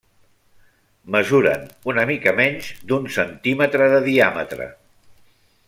Mesuren una mica menys d'un centímetre de diàmetre.